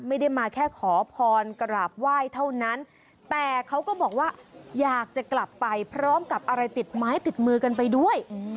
ไม่ได้มาแค่ขอพรกราบไหว้เท่านั้นแต่เขาก็บอกว่าอยากจะกลับไปพร้อมกับอะไรติดไม้ติดมือกันไปด้วย